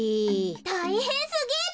たいへんすぎる。